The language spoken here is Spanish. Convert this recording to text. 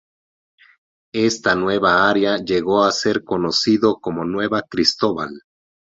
Esta nueva área llegó a ser conocido como "Nueva Cristóbal".